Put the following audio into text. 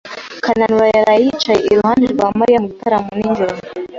Kananura yaraye yicaye iruhande rwa Mariya mu gitaramo nijoro.